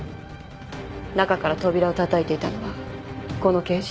中から扉をたたいていたのはこの刑事。